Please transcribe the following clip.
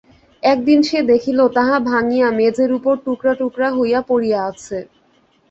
একদিন সে দেখিল, তাহা ভাঙিয়া মেজের উপরে টুকরা টুকরা হইয়া পড়িয়া আছে।